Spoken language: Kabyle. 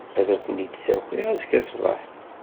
Ad aken-d-ssakiɣ azekka ssbeḥ.